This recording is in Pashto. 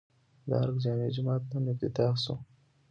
د ارګ جامع جومات نن افتتاح شو